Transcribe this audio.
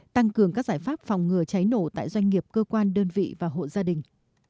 tăng cường các giải pháp phòng ngừa cháy nổ tại doanh nghiệp cơ quan đơn vị và hộ gia đình